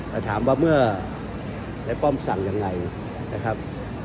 แต่ถามว่าเมื่อในป้อมสั่งยังไงนะครับ